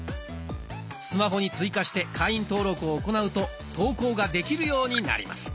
スマホに追加して会員登録を行うと投稿ができるようになります。